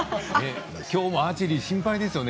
きょうもアーチェリー心配ですよね。